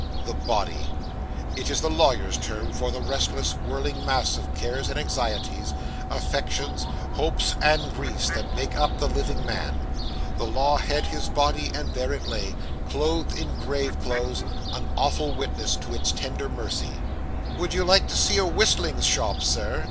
The body! It is the lawyer's term for the restless, whirling mass of cares and anxieties, affections, hopes, and griefs, that make up the living man. The law had his body; and there it lay, clothed in grave clothes, an awful witness to its tender mercy. 'Would you like to see a whistling shop, Sir?